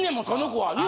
その子は。